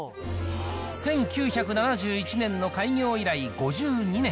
１９７１年の開業以来５２年。